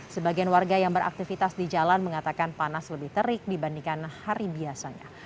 sebagian warga yang beraktivitas di jalan mengatakan panas lebih terik dibandingkan hari biasanya